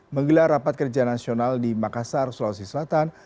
menggelar rapat kerja nasional di makassar sulawesi selatan